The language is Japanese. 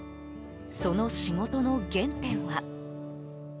その仕事の原点は。